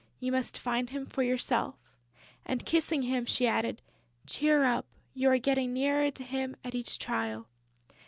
You must find him for yourself." And, kissing him, she added, "Cheer up; you are getting nearer to him at each trial."